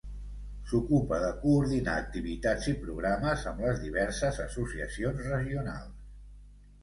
S'ocupa de coordinar activitats i programes amb les diverses associacions regionals.